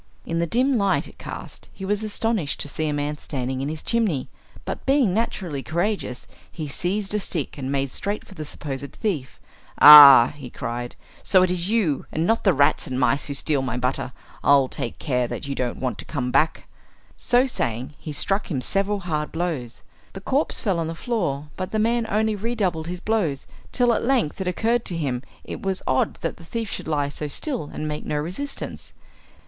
In the dim light it cast he was astonished to see a man standing in his chimney, but being naturally courageous he seized a stick and made straight for the supposed thief. "Ah!" he cried, "so it is you, and not the rats and mice, who steal my butter. I'll take care that you don't want to come back!" So saying he struck him several hard blows. The corpse fell on the floor, but the man only redoubled his blows, till at length it occurred to him it was odd that the thief should lie so still and make no resistance.